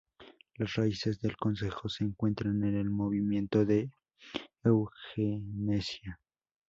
Las raíces del Consejo se encuentran en el movimiento de eugenesia.